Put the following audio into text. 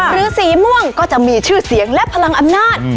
สีม่วงก็จะมีชื่อเสียงและพลังอำนาจ